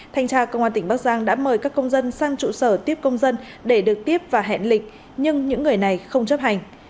thanh tra công an tỉnh bắc giang đã mời các công dân sang trụ sở tiếp công dân để được tiếp và hẹn lịch nhưng những người này không chấp hành